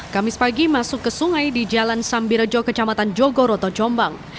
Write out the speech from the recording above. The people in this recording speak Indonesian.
kamis pagi masuk ke sungai di jalan sambirejo kecamatan jogoroto jombang